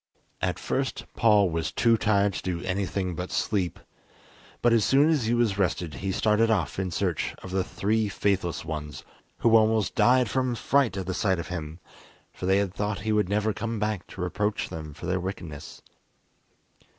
At first Paul was too tired to do anything but sleep, but as soon as he was rested he started off in search of the three faithless ones, who almost died from fright at the sight of him, for they had thought he would never come back to reproach them for their wickedness.